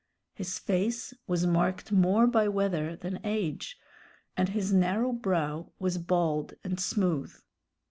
His face was marked more by weather than age, and his narrow brow was bald and smooth.